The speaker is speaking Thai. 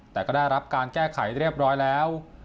แต่ก็ได้รับการแก้ไขเรียบร้อยแล้ว